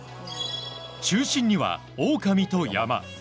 中心には、オオカミと山。